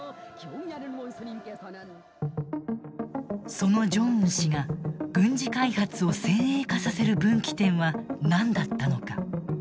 そのジョンウン氏が軍事開発を先鋭化させる分岐点は何だったのか。